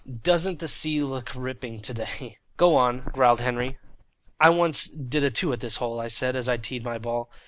_ Doesn't the sea look ripping to day?" "Go on," growled Henry. "I once did a two at this hole," I said, as I teed my ball.